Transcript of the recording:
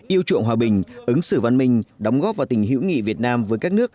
yêu chuộng hòa bình ứng xử văn minh đóng góp vào tình hữu nghị việt nam với các nước